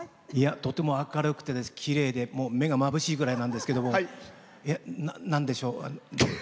とても明るくてきれいで、目がまぶしいぐらいなんですけどもなんでしょう？